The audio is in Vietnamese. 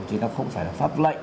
chứ nó không phải là pháp lệnh